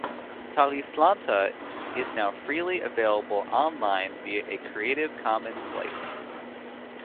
"Talislanta" is now freely available online via a Creative Commons licence.